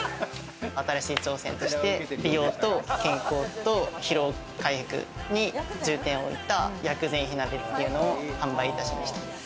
新しい挑戦として美容と健康と疲労回復に重点を置いた薬膳火鍋っていうのを販売いたしました。